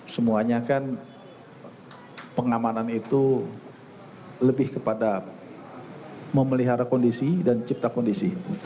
semuanya kan pengamanan itu lebih kepada memelihara kondisi dan cipta kondisi